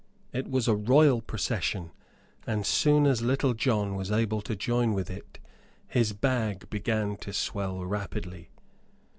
It was a royal procession, and soon as Little John was able to join with it his bag began to swell rapidly.